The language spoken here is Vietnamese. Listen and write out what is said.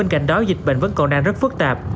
cạnh đó dịch bệnh vẫn còn đang rất phức tạp